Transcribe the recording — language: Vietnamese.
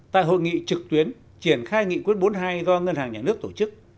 tại hội nghị trực tuyến triển khai nghị quyết bốn mươi hai do ngân hàng nhà nước tổ chức